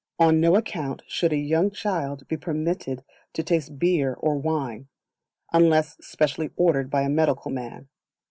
On no account should a young child be permitted to taste beer or wine, unless specially ordered by a medical man.